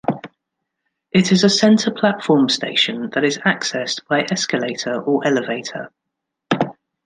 It is a center-platform station that is accessed by escalator or elevator.